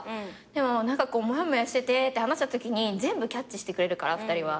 でももやもやしててって話したときに全部キャッチしてくれるから２人は。